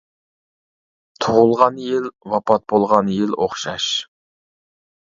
تۇغۇلغان يىل، ۋاپات بولغان يىل ئوخشاش.